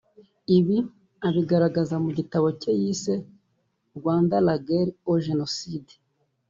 Ibi abigaragaza mu gitabo cye yise « Rwanda de la guerre au génocide